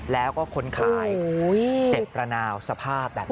แล้วก็คนขายเจ็บระนาวสภาพแบบนี้